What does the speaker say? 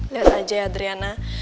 lihat aja ya adriana